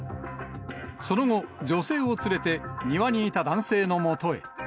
その後、女性を連れて、庭にいた男性のもとへ。